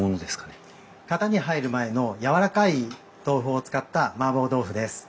型に入る前のやわらかい豆腐を使った麻婆豆腐です。